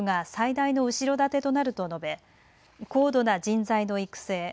政府が最大の後ろ盾となると述べ高度な人材の育成